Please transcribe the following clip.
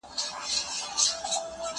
زه مخکي کتابتوننۍ سره وخت تېروولی وو؟